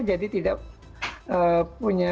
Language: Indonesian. jadi tidak punya